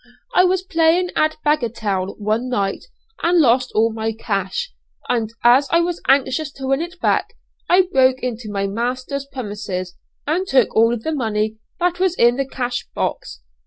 I was playing at bagatelle one night, and lost all my cash, and as I was anxious to win it back, I broke into my master's premises, and took all the money that was in the cash box.